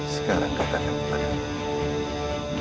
sekarang katakan padamu